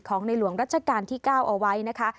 ในหลวงรัชกาลที่๙เอาไว้นะคะ